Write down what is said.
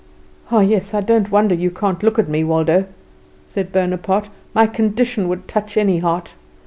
"Ah, yes! I don't wonder that you can't look at me, Waldo," said Bonaparte; "my condition would touch any heart.